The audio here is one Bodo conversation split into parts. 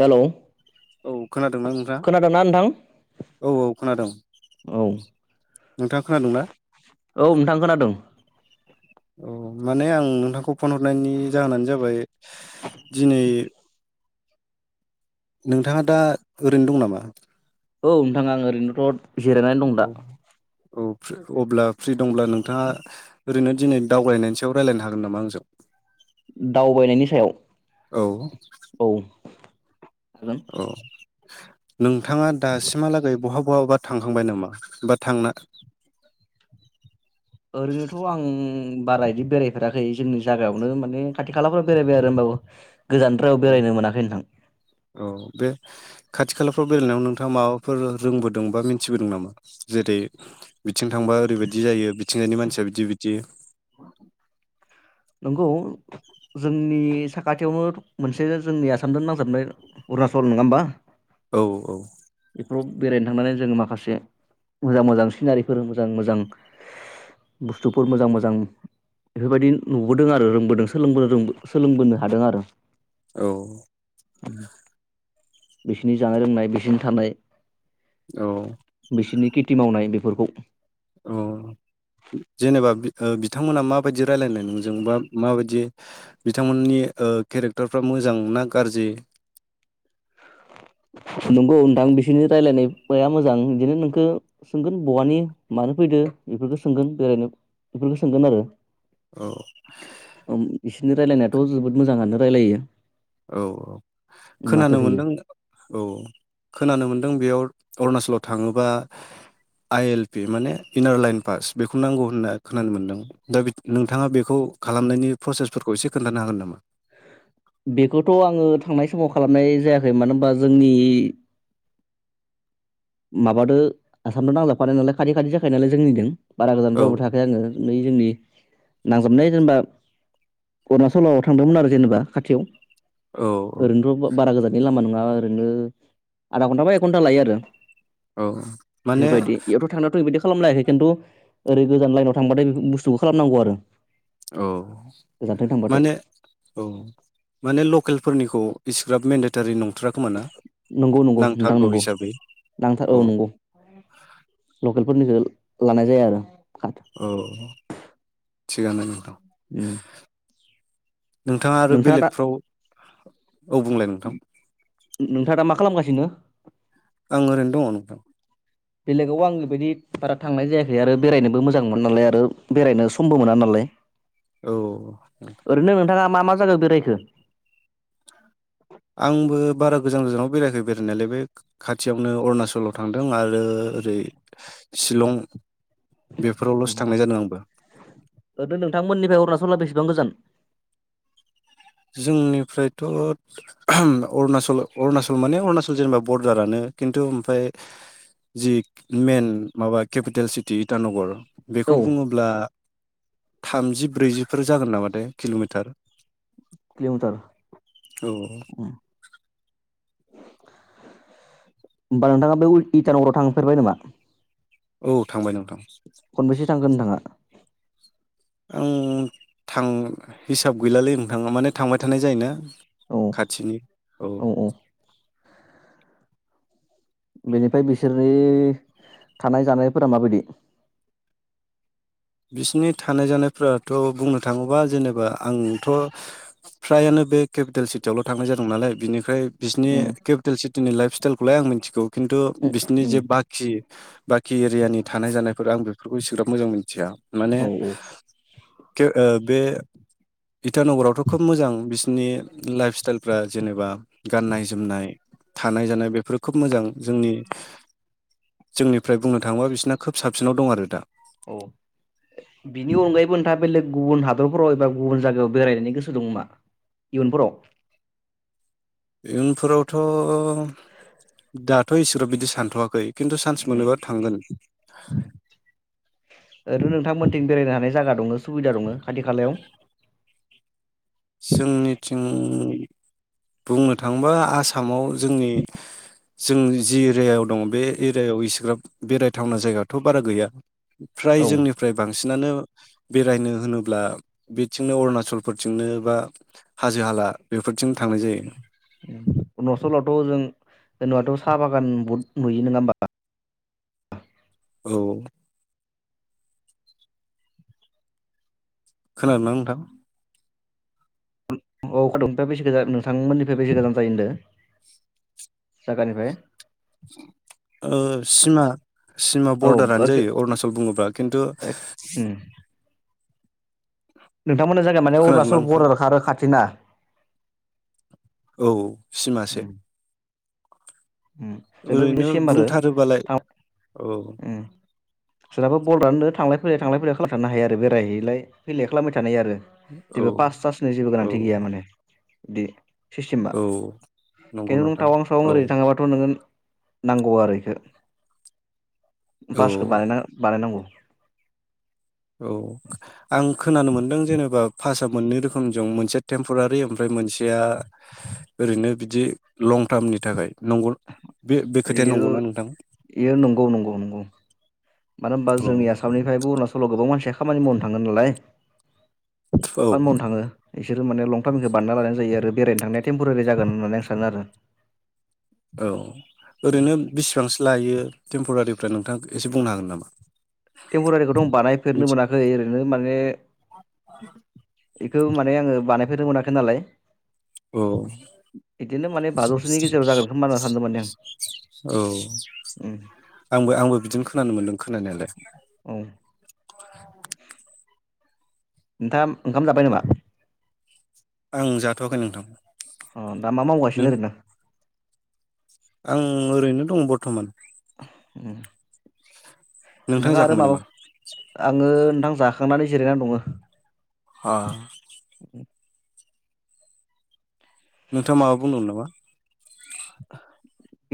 हेलौ [inaudible] खोनादोंना नोंथा खोनादोंना नोंथां औ औ खोनादों, औ औ नोंथाङा खोनादोंना नोंथां खोनादों माने आं नोंथांखौ फन हरनायनि जाहोनानो जाबाय दिनै नोंथाङा दा ओरैनो दं नामा? औ नोंथां आं ओरैनोथ जिरायनानै दं दा औ अब्ला फ्रि दंब्ला नोंथाङा ओरैनो दिनै दावबायनायनि सायाव रायज्लायनो हागोन नामा आंजों? दावबायनायनि सायाव औ औ हागोन अ [inaudible] नोंथाङा दासिमहालागै बहा बहाबा थांखांबाय नामा बा थांना ओरैनोथ' आं बारा बिदि बेरायफेराखै जोंनि जायागायावनो माने खाथि खालाफोराव बेरायबाय आरो होनबाबो। गोजान द्रायाव बेरायनो मोनाखै नोंथां। औ बे खाथि खालाफ्राव बेरायनायाव नोंथाङा माबाफोर रोंबोदों बा मिथिबोदों नामा? जेरै बिथिं थांबा ओरैबायदि जायो बिथिंजायनि मानसिया बिदि बिदि नंगौ जोंनि साखाथियावबो मोनसे जोंनि आसामजों नांजाबनाय अरुणचल नङा होमबा? औ औ रप बेरायनो थांनानै जोङो माखासे मोजां मोजां सिनारिफोर मोजां मोजां बुस्थुफोर मोजां मोजां बेफोरबायदि नुबोदों आरो रोंबोदों सोलोंबो सोलोंबोनो हादों आरो औ बिसिनि जानाय लोंनाय बिसिनि थानाय औ बिसोरनि खेथि मावनाय बेफोरखौ औ जेनेबा ओ बिथांमोनहा माबायदि रायलायनाय नोंजों बा माबायदि बिथांमोननि ओ केरेक्टारफ्रा मोजां ना गाज्रि नंगौ नोंथां बिसिोरनि रायलायनायया मोजां बिदिनो नोंखौ सोंगोन बहानि मानो फैदो बेफोरखौ सोंगोन बेरायनो बेफोरखौ सोंगोन आरो औ ओम बिसनि रायलायनायाथ' जोबोद मोजाङानो रायलायो औ औ माथो खोनानो होयो मोनदों औ खोनानो मोनदों बेयाव अरुणाचलाव थाङोबा आइ एल पि माने इनार लाइन पास बेखौ नांगौ होनना खोनानो मोनदों दा नोंथाङा बेखौ खालामनायनि प्रसेसफोरखौ एसे खोन्थानो हागोन नामा? बेखौथ' आङो थांनाय समाव खालामनाय जायाखै मानो होनबा जोंनि माबादो आसामथ' नांलाफानाय नालाय खाथि खाथि जाखायो नालाय जोंनिजों बारा गोजान औ रावबो थाखै आङो नै जोंनि नांजाबनाय जेनेबा अरुणचलाव थांदोंमोन आरो जेनेबा खाथियाव औ औ ओरैनोथ' बारा गोजाननि लामानि नङा मा ओरैनो आधा घन्टा बा एक घन्टा लायो आरो औ माने बेफोरबायदि इथ' थांनायावथ' बिबायदि खालामलायाखै खिन्थु ओरै गोजान लाइनाव थांबाथाय बे बुस्थुखौ खालामनांगौ आरो औ गोजानथिं थांबाथाय माने औ माने ल केलफोरनिखौ इसेग्राब मेडेटारि न नंगौ नंगौ नोंथां नंगौ हिसाबै नांथार औ नंगौ लकेलफोरनिखौ लानाय जाया आरो खाथ औ थिगानो नोंथां उम नोंथाङा आरो बेलेगफ्राव औ बुंलाय नोंथां नोंथाङ दा मा खालामगासिनो? बिदिनो। आं ओरैनो दङ नोंथां। बेलेगाव आं बेबायदि बारा थांनाय जायाखै आरो बेरायनोबो मोजां मोन नालाय आरो बेरायनो समबो मोना नालाय। औ। ओरैनो नोंथाङा मा मा जायगायाव बेरायखो? आंबो बारा गोजान गोजानाव बेरायाखै बेरायनायालाय बे खाथियावनो अरुणाचलाव थांदों आरो ओरै शिलं। बेफोरावल'सो ओ थांनाय जादों आंबो नोंथांमोननिफ्राय अरुणचला बे सेबां गोजोन? जोंनिफ्रायथ' अरुणचल अरुणचल माने अरुणाचल जेनेबा बरदारानो खिन्थु ओमफ्राय जि मइेन माबा केपिटेल सिटि इटानगर। औ बेखौ बुङोब्ला। थामजि ब्रैजिफोर जागोन नामा। किल'मिटार। किल'मिटार। औ होमबा नोंथाङा बे उटानगराव थांफेरबाय नामा? औ थांबाय नोंथां। खन बेसे। थांगोन नोंथाङा। आं थां हिसाब गैलालै नोंथां माने थांबाय थानाय जायोना। औ खाथिनि औ। बेनिफ्राय बिसोरनि थानाय जानायफोरा माबायदि। बिसिनि थानाय जानायफ्राथ' बुंनो थाङोबा जेनेबा आंथ' फ्रायानो बे केपिटेल सिटियावल' थांनाय जादों नालाय बिनिखाय। बिसनि उम केपिटेलसि लाइफ स्टाइलखौलाय आं मिन्थिगौ किन्थु बिसनि जि बाखि। बाखि एरियानि थानाय जानायफोर आं बेफोरखौ एसेग्राब मोजां मिन्थिया। माने औ [unintelligible] ओ बे इटानगरावथ' खोब मोजां बिसिनि लाइफ स्टाइलफ्रा जेनेबा गाननाय जोमनाय थानाय जानाय बेफोरो खोब मोजां जोंनि जोंनिफ्राय बुंनो थाङोबा बिसिोरना खोब साबसिनाव दं आरो दा। औ बिनि अनगायैबो नोंथाङा बेलेग गुबुन हादरफोराव एबा गुबुन जायगायाव बेरायनायनि गोसो दंबा इयुनफोराव। इयुनफोरावथ' दाथ' एसेग्राब बिदि सानथ'वाखै। किन्थु छान्स मोनोबा थांगोन। ओरैनो नोंथांमोनथिं बेरायनो हानाय जायगा दङो सुबिदा दङो खाथि खालायाव। जोंनिथिं बुंनो थाङोबा आसामाव। जोंनि। जों जि एरियायाव दं बे एरियायाव इसिग्राब बेरायथावना जायगाथ' बारा गैया। फ्राय औ जोंनिफ्राय बांसिन। बांसिनानो बेरायनो होनोब्ला बिथिंनो अरुनासलफोरथिंनो बा हाजो हाला थांनाय जायो अरुनासलावथ जों जेनबाथ साहा बागान बहुद नुयो नोङा होमबा औ खोनादों ना नोंथां अ [unintelligible] बेसे गोजान नोंथांमोननिफाय बेसे गोजान जायो होनदो जागानिफाय ओ सिमा सिमा औ बरदारानो जायो अरनासल बुङोब्ला किन्तु उम नोंथांमोना जागाया माने खोनादोंना अरनासल नोंथां बरदार खा आरो खाथिना औ सिमासो उम उम जोंबो बिदि सिमबारो बुंथारोबालाय औ सोरहाबो बल राननो थांलाय फैलाय थांलाय फैलाय खालामथारनो हायो आरो बेरायहैलाय फैलायै खालाम थानाय आरो औ थेबो पास सासनि जेबो औ गोनांथि गैया माने दे सिस्टिमा औ नंगौ किन्तु नों नोंथां टावां सावां औ ओरैनो थाङोबाथ' नोङो नांगौ आरो इखो औ बासखो बानायना बानायनांगौ औ आं खोनानो मोनदों जेनेबा पासा मोननै रोखोमजों मोनसेया टेम्परारि ओमफ्राय मोनसेया ओरैनो बिदि लं टार्मनि थाखाय। नंगौ बे बे खोथाया बेयो नंगौना नोंथां इयो नंगौ नंगौ नंगौ। मानो ओमबा औ जोंनि आसामनिफ्रायबो उरनासलाव गोबां मानसिया खामानि मावनो थांगोन नालाय औ खामानि मावनो थाङो बिसोरो माने लं टार्मजो बानायना लानाय जायो आरो बेरायनो थांनाया टेमपरारि जागोन होननानै आं सानो आरो औ ओरैनो बिसिबांसो लायो टेम्परारिफ्रा नोंथां एसे बुंनो हागोन नामा टेम्परारिखौथ आं बानायफेरनो मिथि मोनाखै ओरैनो माने बेखौ माने आङो बानायफेरनो मोनाखै नालाय औ इदिनो माने बाजौसोनि गेजेराव जागोन खोमा होनना सानदो माने आं औ उम आंबो आंबो बिदिनो खोनानो मोन्दों खोनानायालाय औ नोंथांङा ओंखाम जाबाय नामा। आं जाथ वाखै नोंथां। अ दा मा नों मावगासिनो ओरैनो। आं ओरैनो दङ बरथमान। उम। नोंथाङा नोंथाङा आरो जाखांबाय माबा नामा आङो नोंथां जाखांनानै जिरायनानै दङो। हा। [inaudible] नोंथांङा माबा बुंदोंमोन नामा।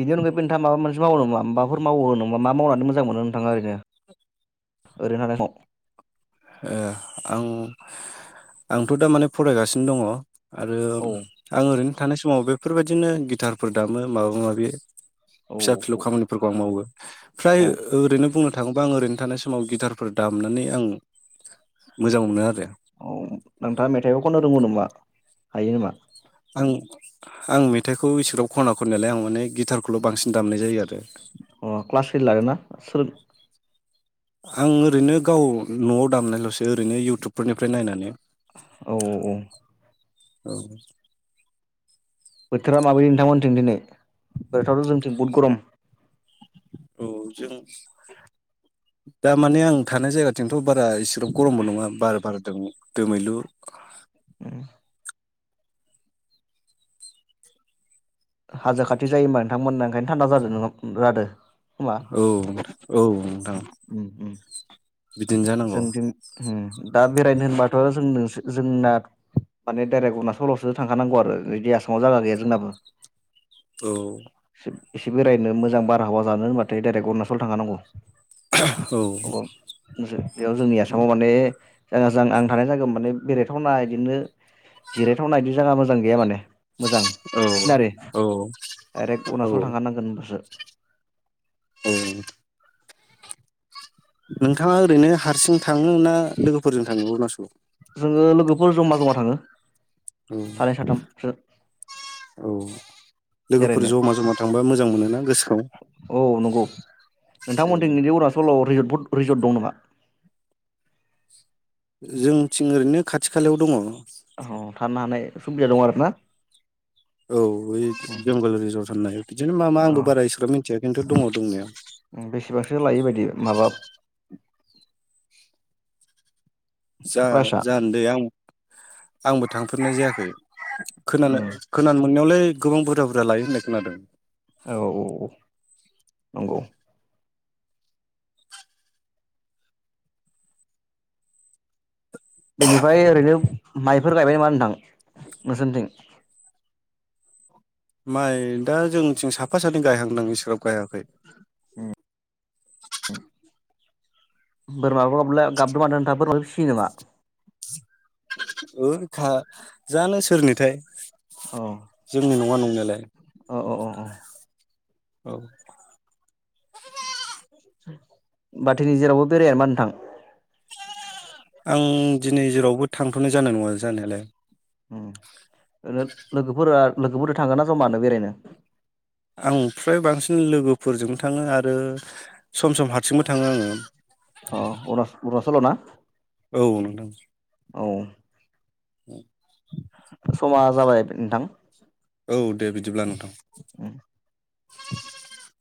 बिनि अनगायैबो नोंथाङा माबा मोनसे मावो नामा माबाफोर मावबावो नामा मा मावनानै मोजां मोनो नोंथाङा ओरैनो ओरैनो थानाय समाव। ए आं आंथ दा माने फरायगासिनो दङ। आरो औ आं ओरैनो थानाय समाव बेफोरबायदिनो गिटारफोर दामो माबा माबि औ फिसा फिलौ औ खामानिफोरखौ आं मावो फ्राय औ ओरैनो बुंनो थाङोबा आं ओरैनो थानाय समाव गिटारफोर दामनानै आं मोजां मोनो आरो। औ नोंथाङा मेथाइबो खनो रोंगौ नामा। हायो नामा। आं- आं मेथाइखौ इसोराव खना खननायालाय आं माने गिटारखौल बांसिन दामनाय जायो आरो। अ क्लास ओइद लादोंना सोलों आं ओरैनो गाव न'आव दामनायल'सो ओरैनो इउटुबफोरनिफ्राय नायनानै। औ औ औ। औ। बोथोरा माबायदि नोंथांमोनथिं दिनै। बोथोराथ' जोंथिं बहुद गरम। औ जों दामाने आं थानाय जायगाथिंथ' बारा एसेबां गरमबो नङा बार बारदों दोमैलु। हाजो खाथि जायो होमबा नोंथांमोना ओंखायनो थान्दा जादों जादों। औ-औ नोंथां। उम उम बिदिनो जानांगौ। जोंथिं दा बेरायनो होनबाथ' जों नोंसो जोंना माने डाइरेक्ट अरुणाचलावसो थांखानांगौ आरो बिदि आसामाव जायगा गैया जोंनाबो। औ। एसे बेरायनो मोजां बारहावा जानो होनबाथाय डाइरेक्ट अरुणाचलाव थांखानांगौ। औ। थिंजाय बेयाव जोंनि आसामाव माने। जागा जां आं थानाय जागायाव माने बेरायथावना इदिनो जिरायथावना इदि जागा मोजां गैया माने। मोजां फिनारि औ डाइरेक्ट औ अरुणाचल थांखानांगोन होनबासो। ओम। नोंथाङा ओरैनो हारसिं थाङो ना लोगोफोरजों थाङो अरुणाचलाव। जोङो लोगोफोर जमा जमा थाङो। औ सानै साथामसो औ लोगोफोर बेरायनो जमा जमा थांबा मोजां मोनोना गोसोखौ औ नंगौ औ नोंथांमोनथिं इदि अरुनाचलाव रिजर्टफोर रिजर्ट दं नामा? जोंथिं ओरैनो खाथि खालायाव दङ। औ थानो हानाय सुबिदा दं आरो औ बे ना बेंगालि रिजर्ट होननाय बिदिनो मा मा आंबो औ बारा एसेग्राब मिथिया खिन्थु दङ दंनाया। बेसेबांसो लायो बायदि माबा जा प्राइसआ जानोदै आं आंबो थांफेरनाय जायाखै खोनानो उम खोनानो नायावलाय गोबां बुरजा बुरजा लायो होननाय खोनादों। औ औ औ नंगौ। बेनिफ्राय ओरैनो माइफोर गायबाय नामा नोंथां नोंसोरनिथिं? माइ दा जों थिं साफा सानै गायहांदों इसेग्राब गायाखै। ओम [unintelligible] बोरमाबो ब्ले गाबदों माथो नोंथां बोरमाबो फिसियो नामा? ओइ खा जानो सोरनिथाय? अ जोंनि नङा नंना यालाय। अ अ अ। औ। बाथौ रिज'रावबो बेराया नामा नोंथां? आं दिनै जेरावबो थांथ'नाय जानाय नङा जानायालाय। ओ लोगोफोरा लोगोफोरजों थांगोना जमानो बेरायनो? आं फ्राय बांसिन लोगोफोरजोंबो थाङो आरो सम सम हारसिंबो थाङो आङो। अ अ अरणचलआव ना? औ नोंथां। औ। [unintelligible] समा जाबाय नोंथां। औ दे बिदिब्ला नोंथां। [unintelligible]